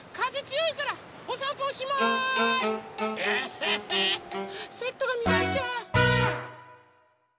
セットがみだれちゃう！